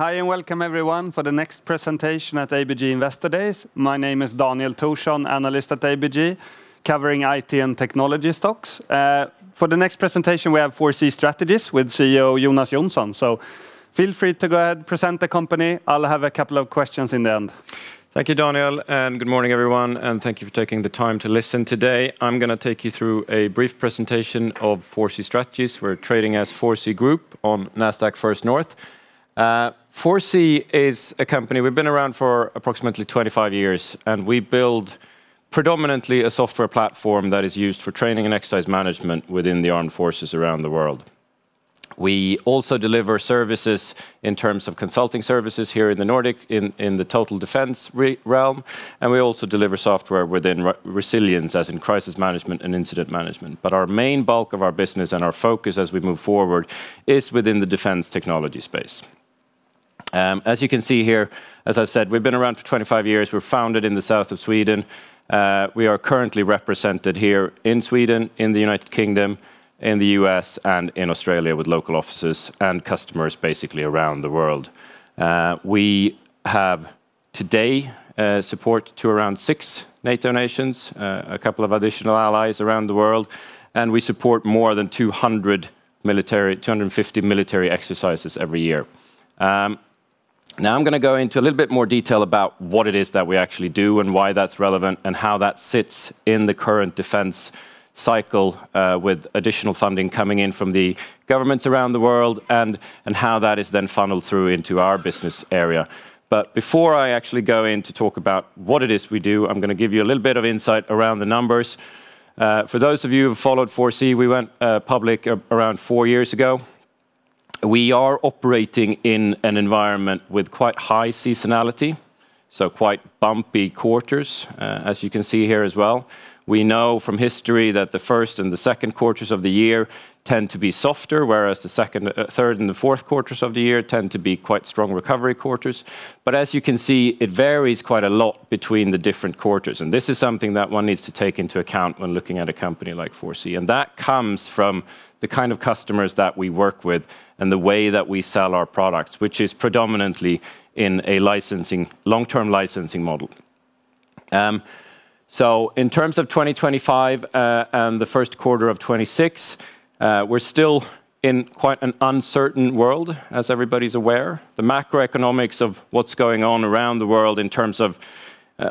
Hi, welcome everyone for the next presentation at ABGSC Investor Days. My name is Daniel Thorsson, analyst at ABG, covering IT and technology stocks. For the next presentation, we have 4C Strategies with CEO Jonas Jonsson. Feel free to go ahead, present the company. I'll have a couple of questions in the end. Thank you, Daniel, good morning everyone, and thank you for taking the time to listen today. I'm going to take you through a brief presentation of 4C Strategies. We're trading as 4C Group on Nasdaq First North. 4C is a company, we've been around for approximately 25 years, and we build predominantly a software platform that is used for training and exercise management within the armed forces around the world. We also deliver services in terms of consulting services here in the Nordic, in the total defence realm, and we also deliver software within resilience, as in crisis management and incident management. Our main bulk of our business and our focus as we move forward is within the defense technology space. As you can see here, as I've said, we've been around for 25 years. We were founded in the south of Sweden. We are currently represented here in Sweden, in the U.K., in the U.S., and in Australia, with local offices and customers basically around the world. We have today support to around six NATO nations, a couple of additional allies around the world, and we support more than 250 military exercises every year. I'm going to go into a little bit more detail about what it is that we actually do and why that's relevant and how that sits in the current defense cycle with additional funding coming in from the governments around the world and how that is then funneled through into our business area. Before I actually go in to talk about what it is we do, I'm going to give you a little bit of insight around the numbers. For those of you who have followed 4C, we went public around four years ago. We are operating in an environment with quite high seasonality, quite bumpy quarters, as you can see here as well. We know from history that the first and the second quarters of the year tend to be softer, whereas the third and the fourth quarters of the year tend to be quite strong recovery quarters. As you can see, it varies quite a lot between the different quarters, and this is something that one needs to take into account when looking at a company like 4C. That comes from the kind of customers that we work with and the way that we sell our products, which is predominantly in a long-term licensing model. In terms of 2025, and the first quarter of 2026, we're still in quite an uncertain world, as everybody's aware. The macroeconomics of what's going on around the world in terms of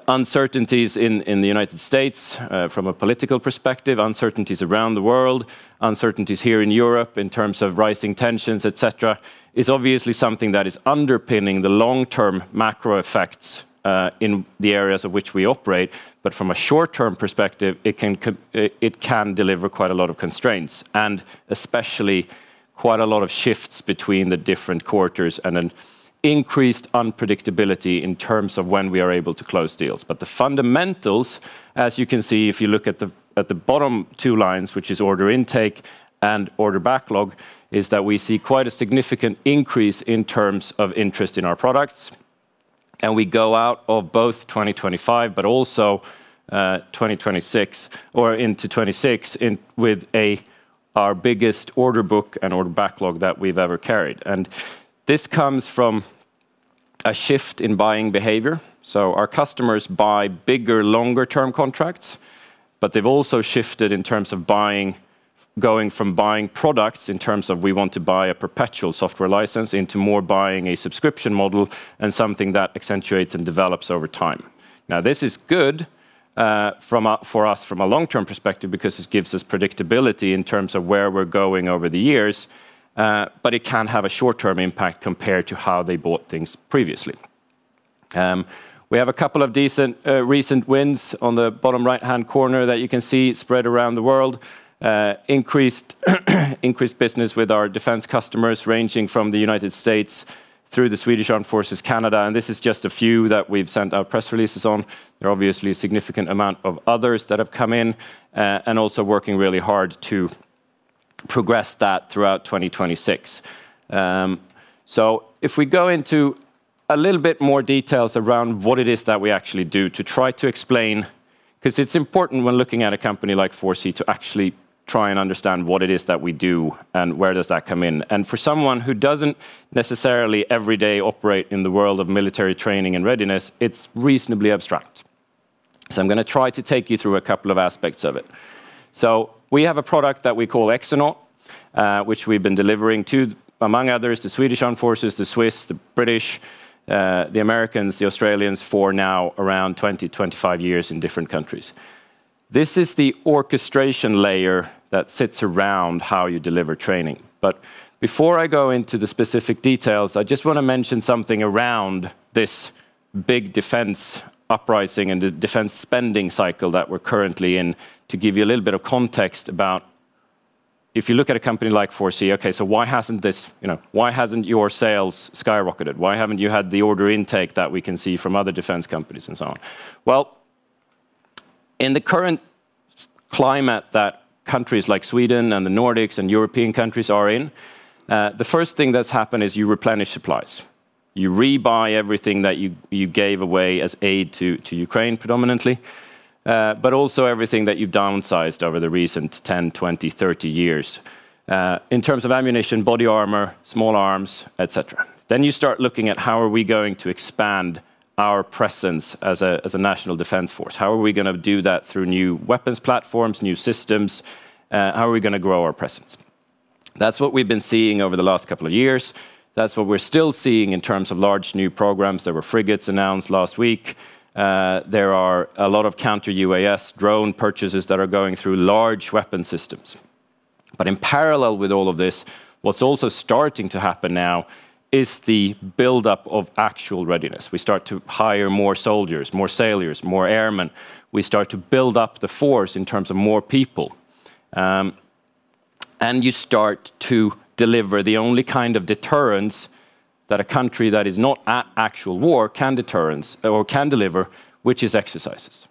uncertainties in the United States from a political perspective, uncertainties around the world, uncertainties here in Europe in terms of rising tensions, et cetera, is obviously something that is underpinning the long-term macro effects, in the areas of which we operate. From a short-term perspective, it can deliver quite a lot of constraints and especially quite a lot of shifts between the different quarters and an increased unpredictability in terms of when we are able to close deals. The fundamentals, as you can see, if you look at the bottom two lines, which is order intake and order backlog, is that we see quite a significant increase in terms of interest in our products. We go out of both 2025 but also 2026 or into 2026 with our biggest order book and order backlog that we've ever carried. This comes from a shift in buying behavior. Our customers buy bigger, longer-term contracts, but they've also shifted in terms of going from buying products in terms of we want to buy a perpetual software license into more buying a subscription model and something that accentuates and develops over time. This is good for us from a long-term perspective because it gives us predictability in terms of where we're going over the years. It can have a short-term impact compared to how they bought things previously. We have a couple of decent recent wins on the bottom right-hand corner that you can see spread around the world. Increased business with our defense customers, ranging from the United States through the Swedish Armed Forces, Canada. This is just a few that we've sent out press releases on. There are obviously a significant amount of others that have come in, also working really hard to progress that throughout 2026. If we go into a little bit more details around what it is that we actually do to try to explain, because it's important when looking at a company like 4C to actually try and understand what it is that we do and where does that come in. For someone who doesn't necessarily every day operate in the world of military training and readiness, it's reasonably abstract. I'm going to try to take you through a couple of aspects of it. We have a product that we call Exonaut, which we've been delivering to, among others, the Swedish Armed Forces, the Swiss, the British, the Americans, the Australians for now around 20-25 years in different countries. This is the orchestration layer that sits around how you deliver training. Before I go into the specific details, I just want to mention something around this big defense uprising and the defense spending cycle that we're currently in to give you a little bit of context about if you look at a company like 4C, okay, why hasn't your sales skyrocketed? Why haven't you had the order intake that we can see from other defense companies and so on? In the current climate that countries like Sweden and the Nordics and European countries are in, the first thing that's happened is you replenish supplies. You rebuy everything that you gave away as aid to Ukraine predominantly. Also everything that you've downsized over the recent 10, 20, 30 years. In terms of ammunition, body armor, small arms, et cetera. You start looking at how are we going to expand our presence as a national defense force? How are we going to do that through new weapons platforms, new systems? How are we going to grow our presence? That's what we've been seeing over the last couple of years. That's what we're still seeing in terms of large new programs. There were frigates announced last week. There are a lot of counter-UAS drone purchases that are going through large weapon systems. In parallel with all of this, what's also starting to happen now is the buildup of actual readiness. We start to hire more soldiers, more sailors, more airmen. We start to build up the force in terms of more people. You start to deliver the only kind of deterrence that a country that is not at actual war can deliver, which is exercises.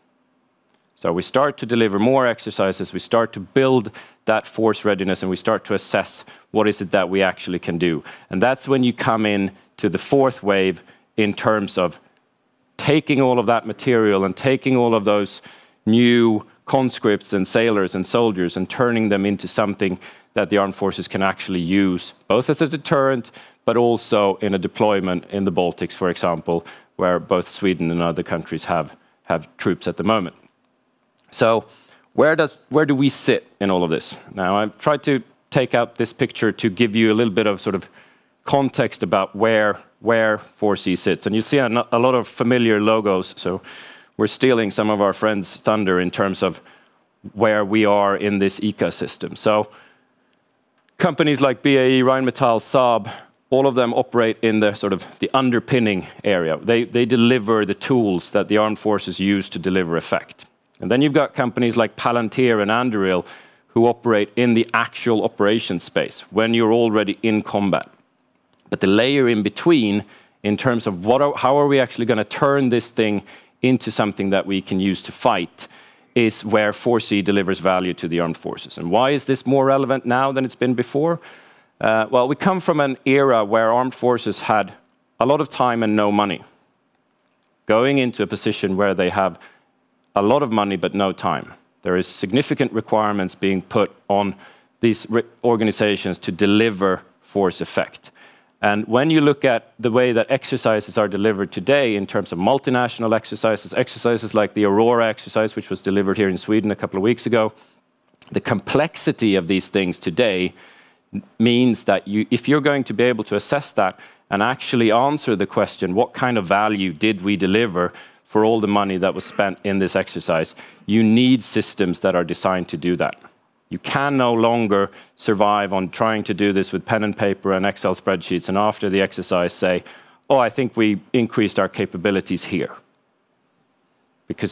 We start to deliver more exercises, we start to build that force readiness, and we start to assess what is it that we actually can do. That's when you come in to the fourth wave in terms of taking all of that material and taking all of those new conscripts and sailors and soldiers and turning them into something that the Armed Forces can actually use, both as a deterrent, but also in a deployment in the Baltics, for example, where both Sweden and other countries have troops at the moment. Where do we sit in all of this? I've tried to take out this picture to give you a little bit of context about where 4C sits. You'll see a lot of familiar logos. We're stealing some of our friends' thunder in terms of where we are in this ecosystem. Companies like BAE, Rheinmetall, Saab, all of them operate in the underpinning area. They deliver the tools that the armed forces use to deliver effect. You've got companies like Palantir and Anduril who operate in the actual operation space when you're already in combat. The layer in between in terms of how are we actually going to turn this thing into something that we can use to fight, is where 4C delivers value to the armed forces. Why is this more relevant now than it's been before? Well, we come from an era where Armed Forces had a lot of time and no money, going into a position where they have a lot of money, but no time. There is significant requirements being put on these organizations to deliver force effect. When you look at the way that exercises are delivered today in terms of multinational exercises like the Aurora exercise, which was delivered here in Sweden a couple of weeks ago, the complexity of these things today means that if you're going to be able to assess that and actually answer the question, what kind of value did we deliver for all the money that was spent in this exercise, you need systems that are designed to do that. You can no longer survive on trying to do this with pen and paper and Excel spreadsheets, and after the exercise say, "Oh, I think we increased our capabilities here."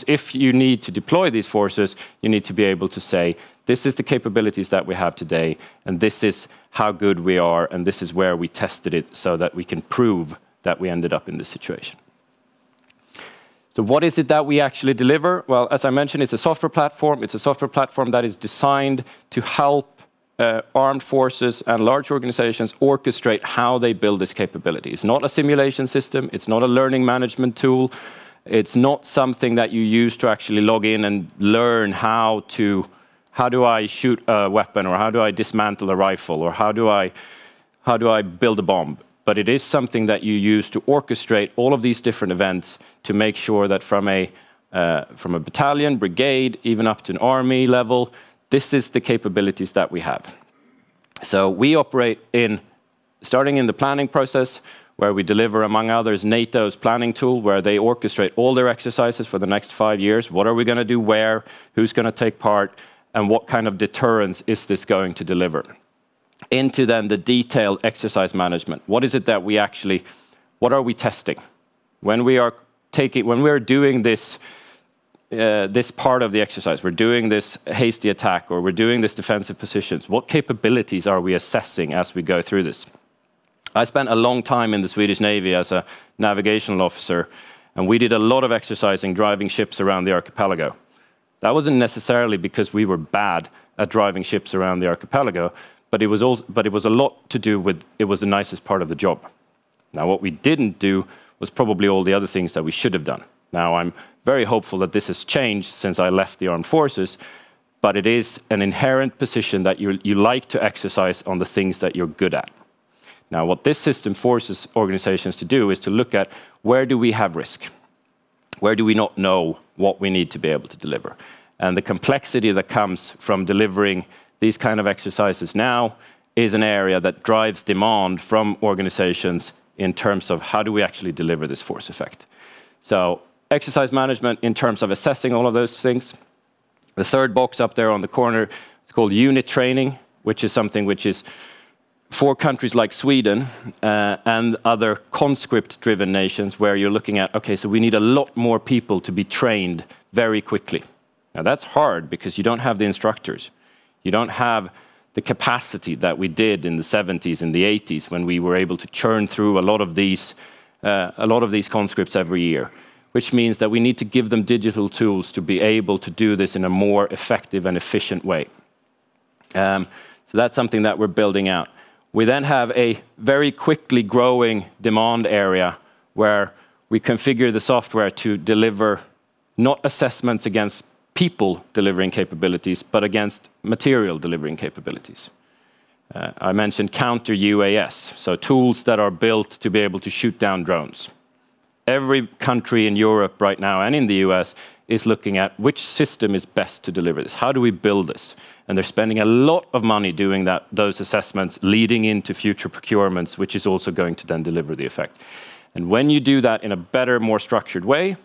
If you need to deploy these forces, you need to be able to say, "This is the capabilities that we have today, and this is how good we are, and this is where we tested it so that we can prove that we ended up in this situation." What is it that we actually deliver? Well, as I mentioned, it's a software platform. It's a software platform that is designed to help armed forces and large organizations orchestrate how they build these capabilities. It's not a simulation system. It's not a learning management tool. It's not something that you use to actually log in and learn how do I shoot a weapon, or how do I dismantle a rifle, or how do I build a bomb? It is something that you use to orchestrate all of these different events to make sure that from a battalion, brigade, even up to an army level, this is the capabilities that we have. We operate starting in the planning process, where we deliver, among others, NATO's planning tool, where they orchestrate all their exercises for the next five years. What are we going to do where? Who's going to take part, and what kind of deterrence is this going to deliver? Into then the detailed exercise management. What are we testing? When we are doing this part of the exercise, we're doing this hasty attack, or we're doing these defensive positions, what capabilities are we assessing as we go through this? I spent a long time in the Swedish Navy as a navigational officer, and we did a lot of exercising driving ships around the archipelago. That wasn't necessarily because we were bad at driving ships around the archipelago, but it was a lot to do with it was the nicest part of the job. Now, what we didn't do was probably all the other things that we should have done. Now, I'm very hopeful that this has changed since I left the armed forces, but it is an inherent position that you like to exercise on the things that you're good at. Now, what this system forces organizations to do is to look at where do we have risk? Where do we not know what we need to be able to deliver? The complexity that comes from delivering these kind of exercises now is an area that drives demand from organizations in terms of how do we actually deliver this force effect. Exercise management in terms of assessing all of those things. The third box up there on the corner, it's called unit training, which is something which is for countries like Sweden, and other conscript-driven nations where you're looking at, okay, so we need a lot more people to be trained very quickly. That's hard because you don't have the instructors. You don't have the capacity that we did in the 1970s and the 1980s when we were able to churn through a lot of these conscripts every year. Which means that we need to give them digital tools to be able to do this in a more effective and efficient way. That's something that we're building out. We have a very quickly growing demand area where we configure the software to deliver not assessments against people delivering capabilities, but against material delivering capabilities. I mentioned counter-UAS, tools that are built to be able to shoot down drones. Every country in Europe right now, and in the U.S., is looking at which system is best to deliver this, how do we build this? They're spending a lot of money doing those assessments leading into future procurements, which is also going to then deliver the effect. When you do that in a better, more structured way,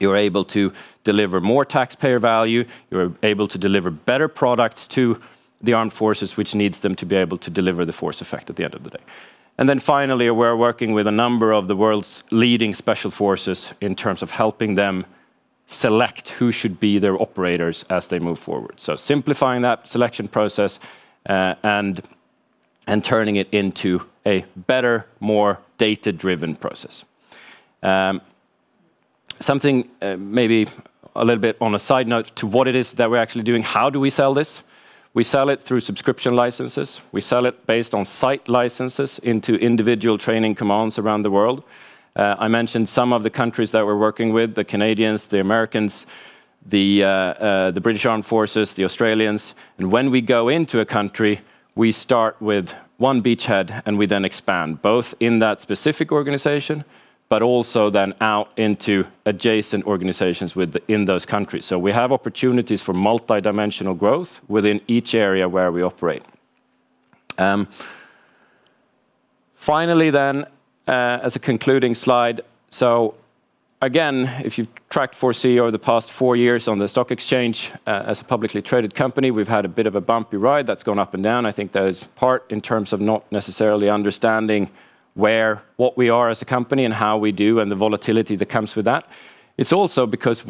you're able to deliver more taxpayer value, you're able to deliver better products to the armed forces, which needs them to be able to deliver the force effect at the end of the day. Finally, we're working with a number of the world's leading special forces in terms of helping them select who should be their operators as they move forward, simplifying that selection process, and turning it into a better, more data-driven process. Something maybe a little bit on a side note to what it is that we're actually doing. How do we sell this? We sell it through subscription licenses. We sell it based on site licenses into individual training commands around the world. I mentioned some of the countries that we're working with, the Canadians, the Americans, the British Armed Forces, the Australians. When we go into a country, we start with one beachhead, and we then expand, both in that specific organization, but also then out into adjacent organizations within those countries. We have opportunities for multidimensional growth within each area where we operate. Finally, as a concluding slide, if you've tracked 4C over the past four years on the stock exchange as a publicly traded company, we've had a bit of a bumpy ride that's gone up and down. I think that is part in terms of not necessarily understanding what we are as a company and how we do, and the volatility that comes with that. It's also because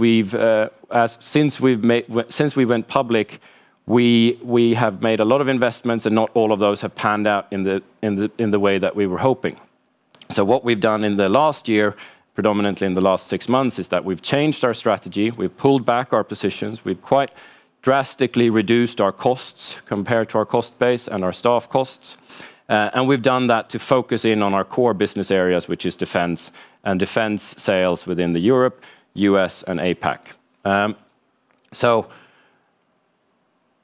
since we went public, we have made a lot of investments, and not all of those have panned out in the way that we were hoping. What we've done in the last year, predominantly in the last six months, is that we've changed our strategy, we've pulled back our positions, we've quite drastically reduced our costs compared to our cost base and our staff costs. We've done that to focus in on our core business areas, which is defense and defense sales within the Europe, U.S., and APAC.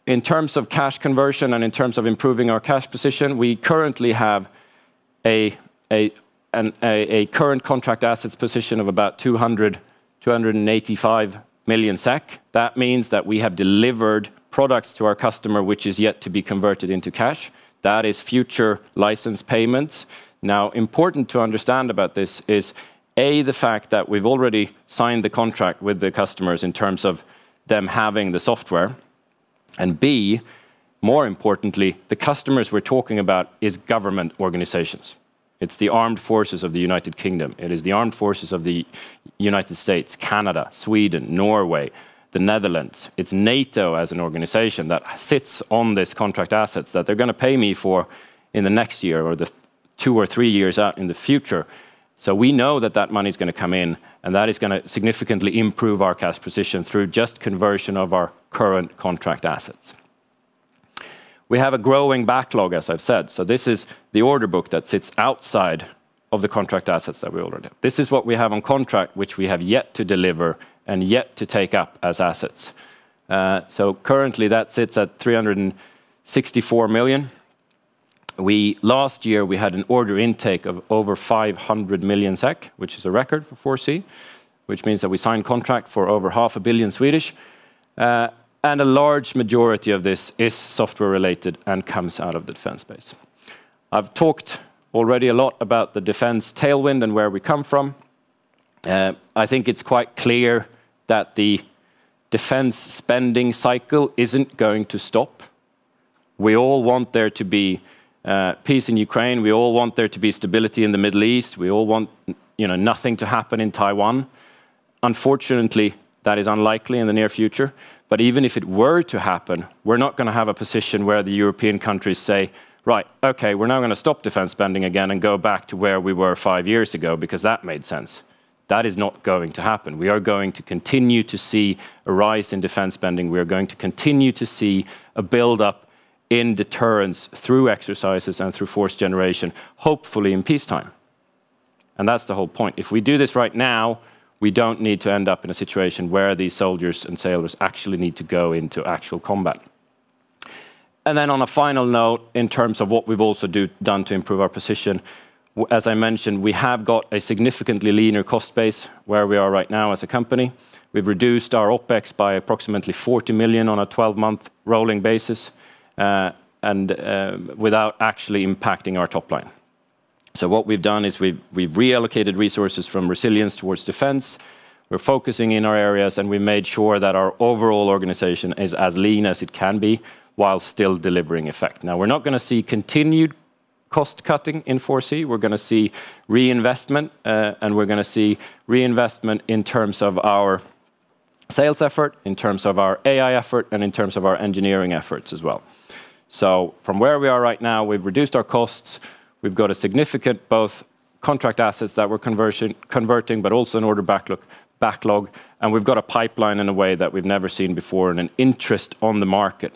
In terms of cash conversion and in terms of improving our cash position, we currently have a current contract assets position of about 285 million SEK. That means that we have delivered products to our customer which is yet to be converted into cash. That is future license payments. Important to understand about this is, A, the fact that we've already signed the contract with the customers in terms of them having the software, and B, more importantly, the customers we're talking about is government organizations. It's the armed forces of the U.K., it is the armed forces of the U.S., Canada, Sweden, Norway, the Netherlands. It's NATO as an organization that sits on this contract assets that they're going to pay me for in the next year or the two or three years out in the future. We know that that money's going to come in, and that is going to significantly improve our cash position through just conversion of our current contract assets. We have a growing backlog, as I've said. This is the order book that sits outside of the contract assets that we already have. This is what we have on contract, which we have yet to deliver and yet to take up as assets. Currently, that sits at 364 million. Last year, we had an order intake of over 500 million SEK, which is a record for 4C, which means that we signed contract for over half a billion SEK. A large majority of this is software related and comes out of the defense space. I've talked already a lot about the defense tailwind and where we come from. I think it's quite clear that the defense spending cycle isn't going to stop. We all want there to be peace in Ukraine, we all want there to be stability in the Middle East, we all want nothing to happen in Taiwan. Unfortunately, that is unlikely in the near future. Even if it were to happen, we're not going to have a position where the European countries say, "Right, okay, we're now going to stop defense spending again and go back to where we were five years ago because that made sense." That is not going to happen. We are going to continue to see a rise in defense spending. We are going to continue to see a build-up in deterrence through exercises and through force generation, hopefully in peace time. That's the whole point. If we do this right now, we don't need to end up in a situation where these soldiers and sailors actually need to go into actual combat. On a final note, in terms of what we've also done to improve our position, as I mentioned, we have got a significantly leaner cost base where we are right now as a company. We've reduced our OPEX by approximately 40 million on a 12-month rolling basis, without actually impacting our top line. What we've done is we've reallocated resources from resilience towards defense. We're focusing in our areas, we made sure that our overall organization is as lean as it can be while still delivering effect. Now, we're not going to see continued cost-cutting in 4C. We're going to see reinvestment, we're going to see reinvestment in terms of our sales effort, in terms of our AI effort, in terms of our engineering efforts as well. From where we are right now, we've reduced our costs. We've got a significant both contract assets that we're converting, also an order backlog. We've got a pipeline in a way that we've never seen before an interest on the market.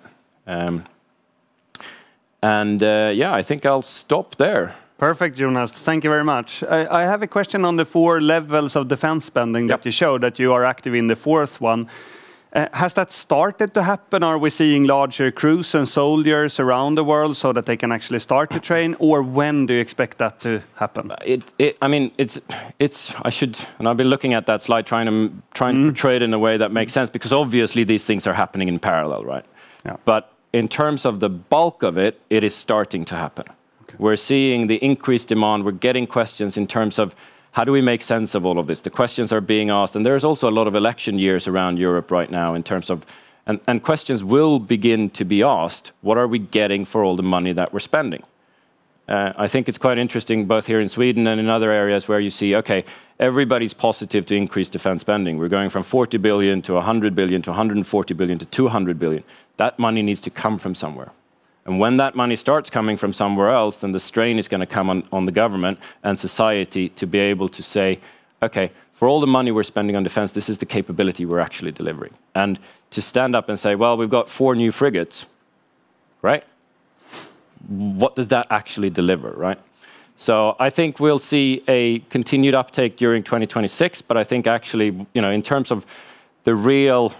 Yeah, I think I'll stop there. Perfect, Jonas. Thank you very much. I have a question on the four levels of defense spending that you showed, that you are active in the fourth one. Has that started to happen? Are we seeing larger crews and soldiers around the world so that they can actually start to train? When do you expect that to happen? I've been looking at that slide. Portray it in a way that makes sense because obviously these things are happening in parallel, right? Yeah. In terms of the bulk of it is starting to happen. Okay. We're seeing the increased demand. We're getting questions in terms of, how do we make sense of all of this? The questions are being asked, and there's also a lot of election years around Europe right now. Questions will begin to be asked, what are we getting for all the money that we're spending? I think it's quite interesting both here in Sweden and in other areas where you see, okay, everybody's positive to increase defense spending. We're going from 40 billion-100 billion-SEK 140 billion-SEK 200 billion. That money needs to come from somewhere. When that money starts coming from somewhere else, then the strain is going to come on the government and society to be able to say, "Okay, for all the money we're spending on defense, this is the capability we're actually delivering." To stand up and say, "Well, we've got 4 new frigates." Right? What does that actually deliver, right? I think we'll see a continued uptake during 2026, but I think actually, in terms of the real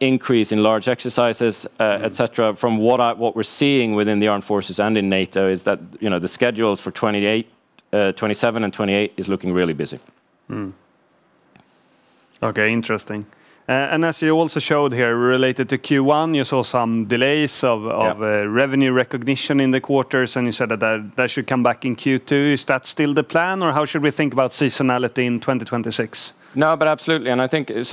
increase in large exercises, et cetera, from what we're seeing within the armed forces and in NATO is that the schedules for 2027 and 2028 is looking really busy. Okay, interesting. As you also showed here related to Q1, you saw some delays. Yeah. Revenue recognition in the quarters, and you said that should come back in Q2. Is that still the plan, or how should we think about seasonality in 2026? No, but absolutely.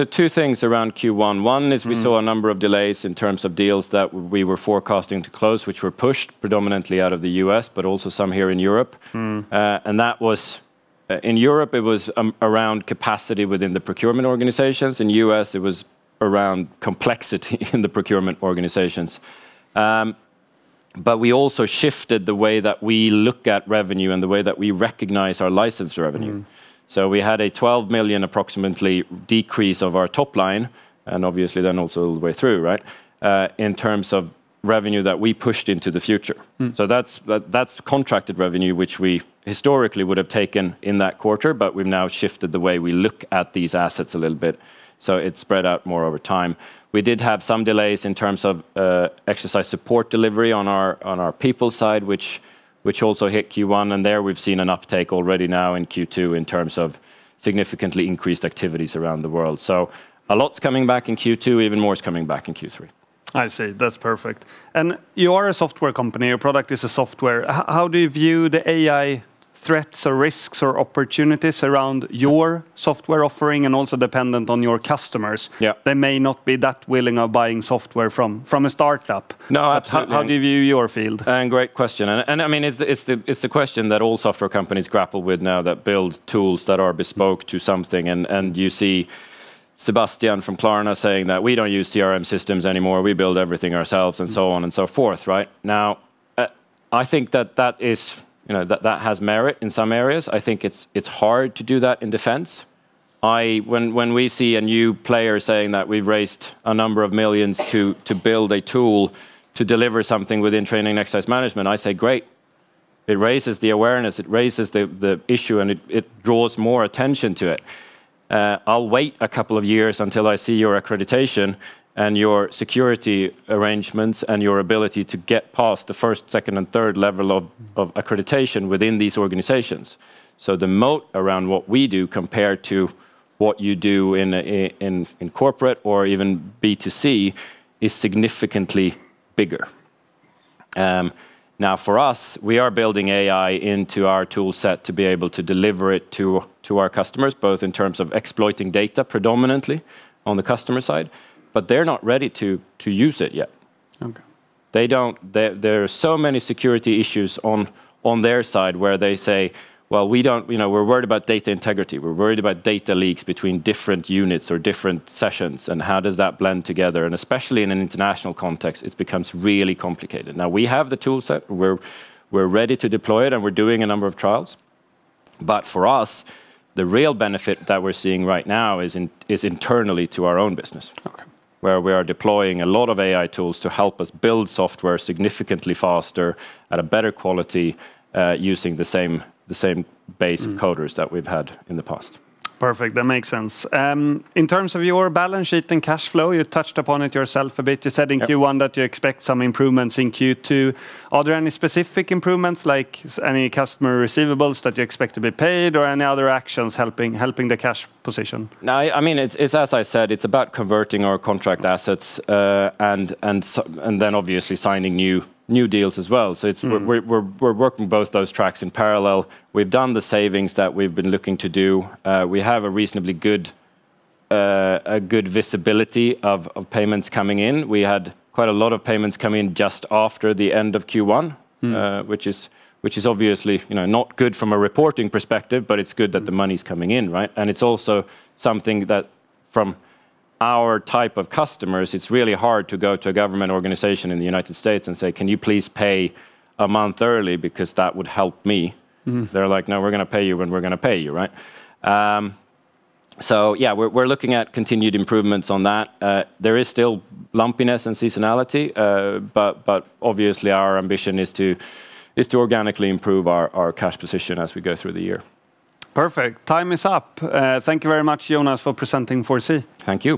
Two things around Q1. One is we saw a number of delays in terms of deals that we were forecasting to close, which were pushed predominantly out of the U.S., but also some here in Europe. In Europe, it was around capacity within the procurement organizations. In U.S., it was around complexity in the procurement organizations. We also shifted the way that we look at revenue and the way that we recognize our licensed revenue. We had a 12 million approximately decrease of our top line, and obviously then also all the way through, right, in terms of revenue that we pushed into the future. That's contracted revenue, which we historically would have taken in that quarter, but we've now shifted the way we look at these assets a little bit. It spread out more over time. We did have some delays in terms of exercise support delivery on our people side, which also hit Q1, and there we've seen an uptake already now in Q2 in terms of significantly increased activities around the world. A lot's coming back in Q2, even more is coming back in Q3. I see. That's perfect. You are a software company. Your product is a software. How do you view the AI threats or risks or opportunities around your software offering and also dependent on your customers? Yeah. They may not be that willing of buying software from a startup. No, absolutely. How do you view your field? Great question. It's the question that all software companies grapple with now that build tools that are bespoke to something, and you see Sebastian from Klarna saying that we don't use CRM systems anymore. We build everything ourselves, and so on and so forth, right? I think that that has merit in some areas. I think it's hard to do that in defense. When we see a new player saying that we've raised a number of millions to build a tool to deliver something within training and exercise management, I say, "Great." It raises the awareness, it raises the issue, and it draws more attention to it. I'll wait a couple of years until I see your accreditation and your security arrangements and your ability to get past the first, second, and third level of accreditation within these organizations. The moat around what we do compared to what you do in corporate or even B2C is significantly bigger. For us, we are building AI into our tool set to be able to deliver it to our customers, both in terms of exploiting data predominantly on the customer side, but they're not ready to use it yet. Okay. There are so many security issues on their side where they say, "Well, we're worried about data integrity. We're worried about data leaks between different units or different sessions, and how does that blend together?" Especially in an international context, it becomes really complicated. We have the tool set. We're ready to deploy it, and we're doing a number of trials. For us, the real benefit that we're seeing right now is internally to our own business where we are deploying a lot of AI tools to help us build software significantly faster at a better quality, using the same base of coders that we've had in the past. Perfect. That makes sense. In terms of your balance sheet and cash flow, you touched upon it yourself a bit. You said in Q1 that you expect some improvements in Q2, are there any specific improvements, like any customer receivables that you expect to be paid, or any other actions helping the cash position? No, as I said, it's about converting our contract assets, and then obviously signing new deals as well. We're working both those tracks in parallel. We've done the savings that we've been looking to do. We have a reasonably good visibility of payments coming in. We had quite a lot of payments come in just after the end of Q1 which is obviously not good from a reporting perspective, but it's good that the money's coming in, right? It's also something that from our type of customers, it's really hard to go to a government organization in the United States and say, "Can you please pay a month early because that would help me? They're like, "No, we're going to pay you when we're going to pay you." Right? Yeah, we're looking at continued improvements on that. There is still lumpiness and seasonality, but obviously our ambition is to organically improve our cash position as we go through the year. Perfect. Time is up. Thank you very much, Jonas, for presenting 4C. Thank you.